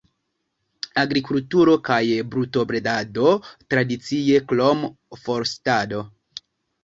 Agrikulturo kaj brutobredado tradicie, krom forstado.